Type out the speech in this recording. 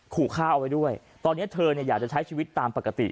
ขู่ฆ่าเอาไว้ด้วยตอนนี้เธอเนี่ยอยากจะใช้ชีวิตตามปกติ